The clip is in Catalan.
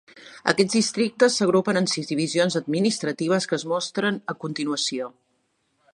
Aquests districtes s'agrupen en sis divisions administratives que es mostren a continuació.